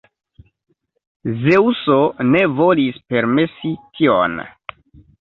Zeŭso ne volis permesi tion.